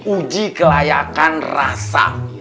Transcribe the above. uji kelayakan rasa